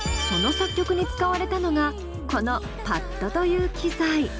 その作曲に使われたのがこのパッドという機材。